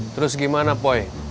terus gimana poi